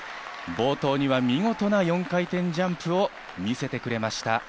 冒頭には見事な４回転ジャンプを見せてくれました。